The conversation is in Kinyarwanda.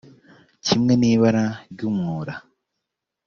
Kimwe n’ibara ry’umwura